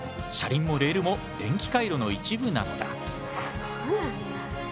車輪もレールも電気回路の一部なのだ。